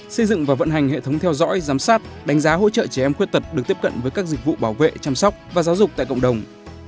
xây dựng và vận hành hệ thống theo dõi giám sát đánh giá hỗ trợ trẻ em khuyết tật được tiếp cận với các dịch vụ bảo vệ chăm sóc và giáo dục tại cộng đồng